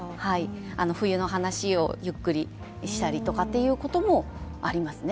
冬の話をゆっくりしたりとかっていうのもありますね。